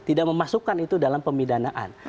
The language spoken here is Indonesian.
tidak memasukkan itu dalam pemidanaan